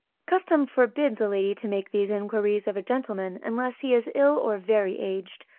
Custom forbids a lady to make these inquiries of a gentleman, unless he is ill or very aged.